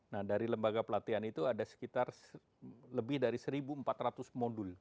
nah dari lembaga pelatihan itu ada sekitar lebih dari satu empat ratus modul